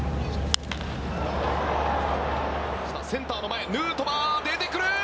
センターの前ヌートバー出てくる。